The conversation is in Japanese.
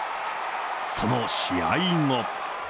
その試合後。